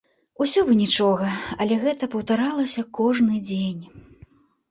Усё бы нічога, але гэта паўтаралася кожны дзень.